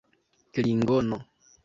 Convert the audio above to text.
klingono